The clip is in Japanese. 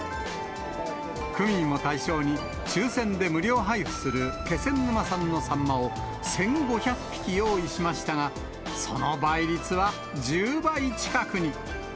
区民を対象に抽せんで無料配布する気仙沼産のサンマを１５００匹用意しましたが、その倍率は１０倍近くに。